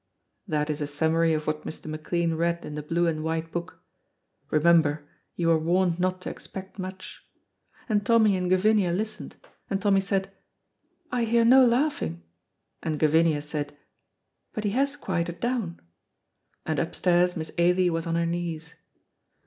That is a summary of what Mr. McLean read in the blue and white book; remember, you were warned not to expect much. And Tommy and Gavinia listened, and Tommy said, "I hear no laughing," and Gavinia answered, "But he has quieted down," and upstairs Miss Ailie was on her knees.